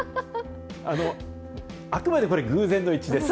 あくまでこれ、偶然の一致です。